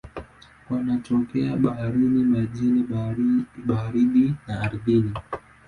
Wanatokea baharini, majini baridi na ardhini.